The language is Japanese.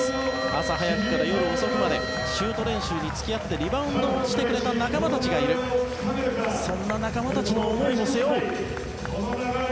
朝早くから夜遅くまでシュート練習に付き合ってリバウンドをしてくれた仲間たちがいるそんな仲間たちの思いも背負う。